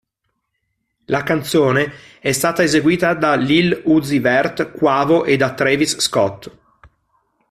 La canzone è stata eseguita da Lil Uzi Vert, Quavo e da Travis Scott.